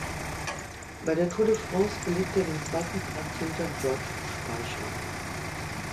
Bei der Tour de France belegte er den zweiten Platz hinter Georges Speicher.